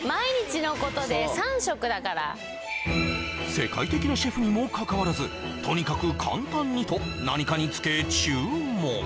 世界的なシェフにもかかわらず「とにかく簡単に」と何かにつけ注文